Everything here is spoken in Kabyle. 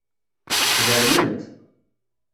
Sdermen-t.